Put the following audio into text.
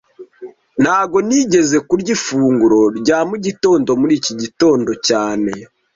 Ntago nigeze kurya ifunguro rya mu gitondo muri iki gitondo cyane